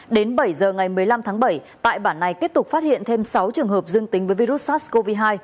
đến bảy giờ ngày một mươi năm tháng bảy tại bản này tiếp tục phát hiện thêm sáu trường hợp dương tính với virus sars cov hai